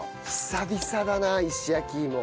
久々だな石焼き芋。